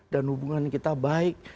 dan hubungan kita baik